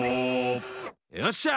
よっしゃ！